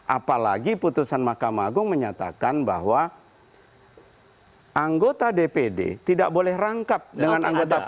apalagi putusan mahkamah agung menyatakan bahwa anggota dpd tidak boleh rangkap dengan anggota dpr